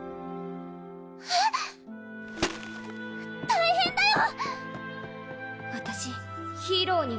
大変だよ！